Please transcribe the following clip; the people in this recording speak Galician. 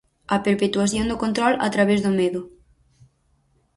A perpetuación do control a través do medo.